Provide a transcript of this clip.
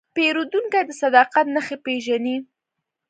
پیرودونکی د صداقت نښې پېژني.